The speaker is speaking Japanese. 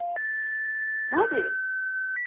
マジ？